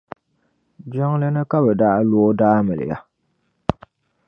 Jiŋli ni ka bɛ daa lo o daa miliya.